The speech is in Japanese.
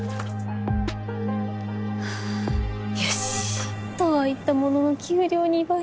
ふぅよし。とは言ったものの給料２倍。